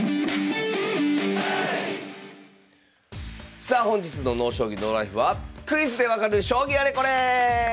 さあ本日の「ＮＯ将棋ＮＯＬＩＦＥ」は「クイズでわかる将棋あれこれ」！